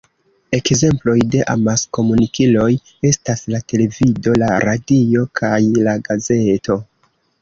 Ekzemploj de amaskomunikiloj estas la televido, la radio, kaj la gazeto.